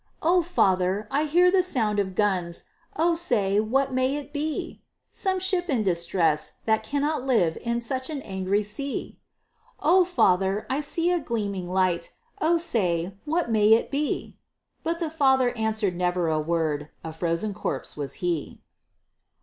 "O father! I hear the sound of guns, Oh say, what may it be?" "Some ship in distress, that cannot live In such an angry sea!" "O father! I see a gleaming light, Oh say, what may it be?" But the father answered never a word, A frozen corpse was he.